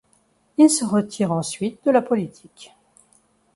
Il se retire ensuite de la politique.